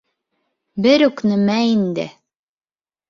— Бер үк нәмә инде.